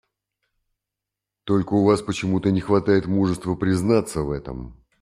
Только у Вас почему-то не хватает мужества признаться в этом.